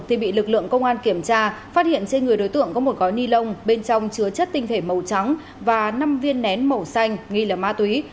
thì bị lực lượng công an kiểm tra phát hiện trên người đối tượng có một gói ni lông bên trong chứa chất tinh thể màu trắng và năm viên nén màu xanh nghi là ma túy